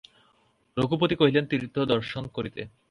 রঘুপতি কহিলেন, তীর্থদর্শন করিতে।